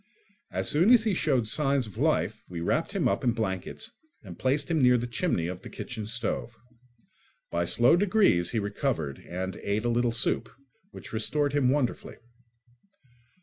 As soon as he showed signs of life we wrapped him up in blankets and placed him near the chimney of the kitchen stove. By slow degrees he recovered and ate a little soup, which restored him wonderfully.